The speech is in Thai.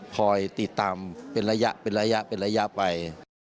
คอยติดตามเป็นระยะไป